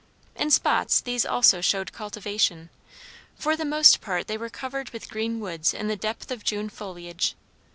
In spots these also showed cultivation; for the most part they were covered with green woods in the depth of June foliage.